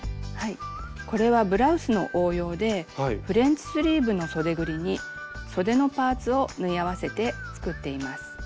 これはブラウスの応用でフレンチスリーブのそでぐりにそでのパーツを縫い合わせて作っています。